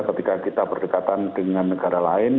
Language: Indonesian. karena kita berdekatan dengan negara lain